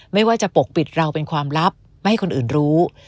ไม่ว่าจะปกปิดเราเป็นความลับไม่ให้คนอื่นรู้